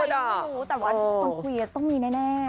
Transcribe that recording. แต่ว่าคนคุยต้องมีแน่